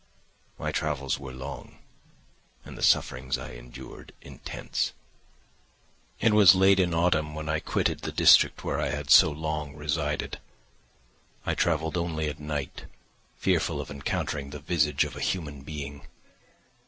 "My travels were long and the sufferings I endured intense. It was late in autumn when I quitted the district where I had so long resided. I travelled only at night, fearful of encountering the visage of a human being.